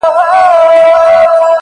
• چي د ښار په منځ کی پاته لا پوهان وي ,